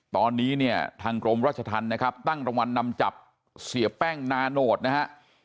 ตอนนี้เนี่ยทางกรมราชธรรมนะครับตั้งรางวัลนำจับเสียแป้งนาโนตนะฮะ